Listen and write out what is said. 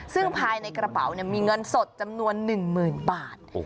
ซึ่งภายในกระเป๋ามีเงินสดจำนวน๑๐๐๐บาท